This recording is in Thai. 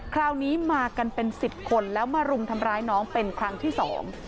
คราวนี้มากันเป็นสิบคนแล้วมารุมทำร้ายน้องเป็นครั้งที่สอง